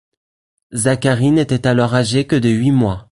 Zachary n'était alors âgé que de huit mois.